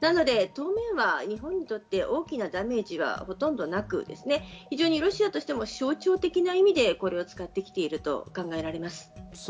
当面は日本にとって大きなダメージはほとんどなく、ロシアとしても象徴的な意味でこれを使ってきていると考えられます。